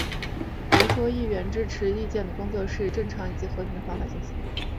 游说议员支持建议的工作是以正常及和平的方法进行。